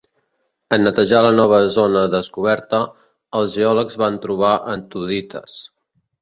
En netejar la nova zona descoberta, els geòlegs van trobar antodites.